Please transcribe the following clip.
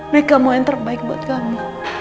mereka mau yang terbaik buat kamu